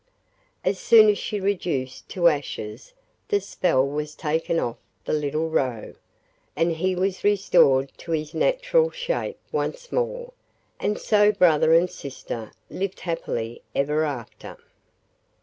As soon as she reduced to ashes the spell was taken off the little Roe, and he was restored to his natural shape once more, and so brother and sister lived happily ever after.